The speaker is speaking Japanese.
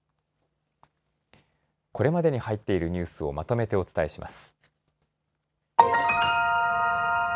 これまでに入っているニュースをまとめてお伝えします。